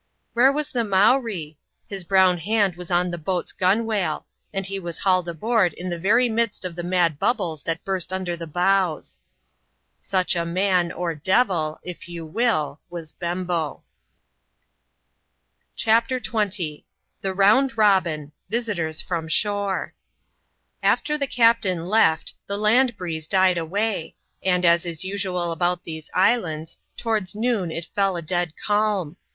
Where was the Mowree? His brown hand was on the boat's gunwale ; and he was hauled aboard in the very midst of ^e mad bubbles that burst under the bows. Such a man, or devil, if you will, was Bemba U ADVENTURES IN THE SOUTH SEAS. [chap. xx. CHAPTER XX. The Round Robin. — Visitors from Shore. After the captain left, the land breeze died away ; and, as is visual about these islands, towards noon it fell a dead calm.